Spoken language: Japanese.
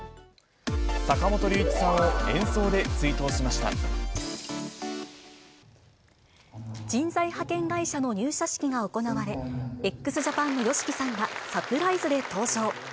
坂本龍一さんを演奏で追悼し人材派遣会社の入社式が行われ、ＸＪＡＰＡＮのＹＯＳＨＩＫＩさんがサプライズで登場。